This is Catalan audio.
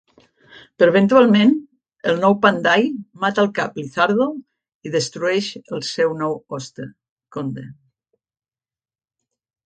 Però eventualment, el nou Panday mata el cap Lizardo i destrueix el seu nou hoste, Konde.